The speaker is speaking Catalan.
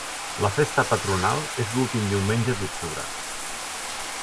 La festa patronal és l'últim diumenge d'octubre.